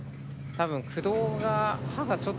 多分。